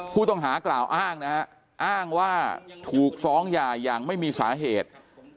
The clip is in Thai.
ผู้ต้องหากล่าวอ้างนะฮะอ้างว่าถูกฟ้องหย่าอย่างไม่มีสาเหตุ